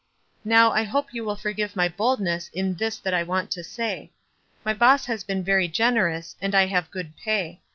Now, I hope you will forgive my bold ness in this that I want to say. My boss hat. been very generous, and I hav good pay.